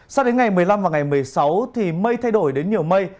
sao đến ngày một mươi năm và ngày một mươi sáu thì mây thay đổi đến nhiều mây